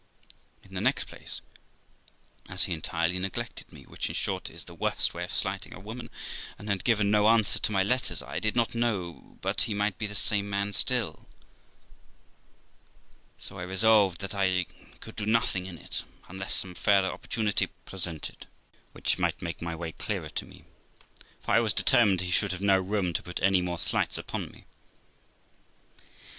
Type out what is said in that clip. In the next place, as he entirely neglected me, which, in short, is the worst way of slighting a woman, and had given no answer to my letters, I did not know but he might be the same man still ; so I resolved that I could do nothing in it unless some fairer opportunity presented, which might make my way clearer to me ; for I was determined he should have no room to put any more slights upon me.